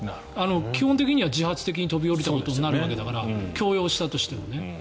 基本的には自発的に飛び降りたことになるから強要したとしても。